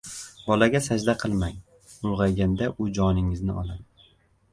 Bolaga sajda qilmang: ulg‘ayganda u joningizni oladi.